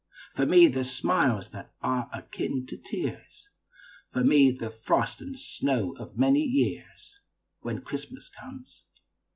For me, the smiles that are akin to tears, For me, the frost and snows of many years, When Christmas comes.